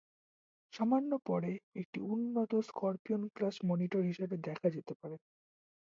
সামান্য পরে একটি উন্নত স্করপিয়ন ক্লাস মনিটর হিসাবে দেখা যেতে পারে।